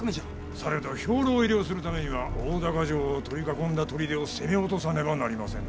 されど兵糧入れをするためには大高城を取り囲んだ砦を攻め落とさねばなりませぬ。